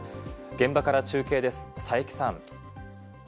現場から中継です、佐伯さん。